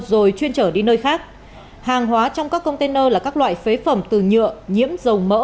rồi chuyên trở đi nơi khác hàng hóa trong các container là các loại phế phẩm từ nhựa nhiễm dầu mỡ